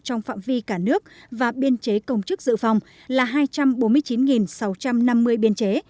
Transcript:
trong phạm vi cả nước và biên chế công chức dự phòng là hai trăm bốn mươi chín sáu trăm năm mươi biên chế